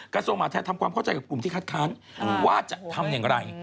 กระทรวงมหาธัยทำความเข้าใจกับกลุ่มที่คัดค้านว่าจะทำอย่างไร